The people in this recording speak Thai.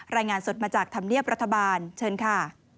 รายงานสดมาจากธรรมเนียบรัฐบาลเชิญค่ะ